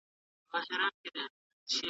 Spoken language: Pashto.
لا ښكارېږي جنايت او فسادونه ,